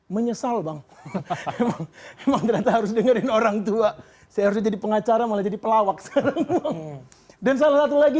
menyesal bang harus dengerin orangtua saya jadi pengacara malah jadi pelawak dan salah satu lagi